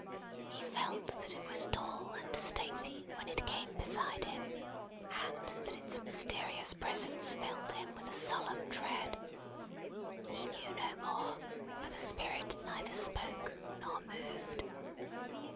He felt that it was tall and stately when it came beside him, and that its mysterious presence filled him with a solemn dread. He knew no more, for the Spirit neither spoke nor moved.